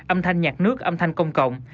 âm thanh nhạc nước âm thanh công cộng